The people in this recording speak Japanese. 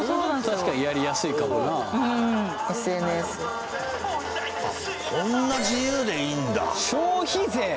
確かにやりやすいかもなＳＮＳこんな自由でいいんだ消費税！？